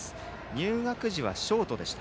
入学時はショートでした。